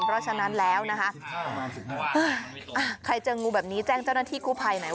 เพราะฉะนั้นแล้วนะคะใครเจองูแบบนี้แจ้งเจ้าหน้าที่กู้ภัยหน่อย